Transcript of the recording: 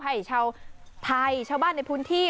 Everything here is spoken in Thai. ให้ชาวไทยชาวบ้านในพื้นที่